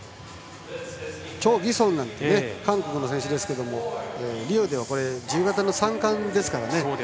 チョ・ギソンなんて韓国の選手ですけどリオでは自由形の３冠ですからね。